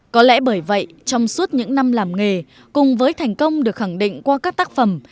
có lẽ bởi vậy trong suốt những năm làm nghề cùng với thành công được khẳng định qua các tác phẩm